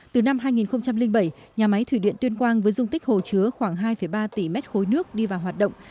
từ năm hai nghìn bảy nhà máy thủy điện tuyên quang với dung tích hồ chứa khoảng hai ba tỷ m ba nước đi vào hoạt động